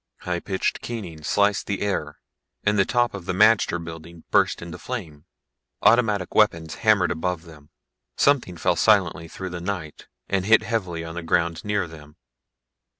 High pitched keening sliced the air and the top of the magter building burst into flame. Automatic weapons hammered above them. Something fell silently through the night and hit heavily on the ground near them.